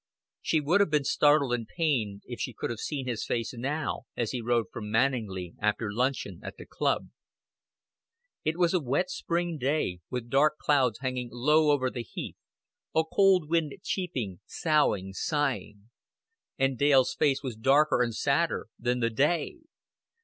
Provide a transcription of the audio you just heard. She would have been startled and pained if she could have seen his face now, as he rode from Manninglea after luncheon at the club. It was a wet spring day, with dark clouds hanging low over the heath, a cold wind cheeping, soughing, sighing; and Dale's face was darker and sadder than the day.